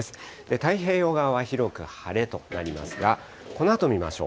太平洋側は広く晴れとなりますが、このあと見ましょう。